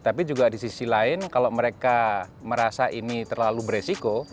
tapi juga di sisi lain kalau mereka merasa ini terlalu beresiko